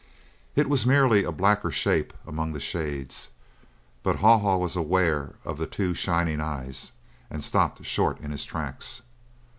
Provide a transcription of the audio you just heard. It was merely a blacker shape among the shades, but Haw Haw was aware of the two shining eyes, and stopped short in his tracks.